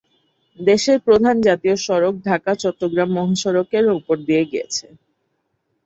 দেশের প্রধান জাতীয় সড়ক ঢাকা-চট্টগ্রাম মহাসড়ক এর উপর দিয়ে গেছে।